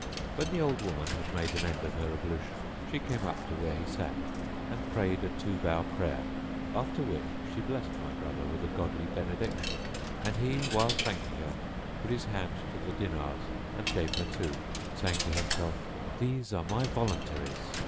When the old woman had made an end of her ablution, she came up to where he sat, and prayed a two bow prayer; after which she blessed my brother with a godly benediction, and he while thanking her put his hand to the dinars and gave her two, saying to himself "These are my voluntaries."